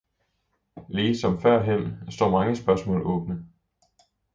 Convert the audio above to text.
Lige som førhen står mange spørgsmål åbne.